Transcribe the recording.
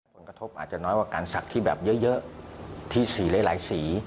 ผลกระทบอาจจะน้อยกว่าการศักดิ์ที่แบบเยอะที่สีหลายสี